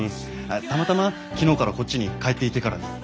たまたま昨日からこっちに帰っていてからに。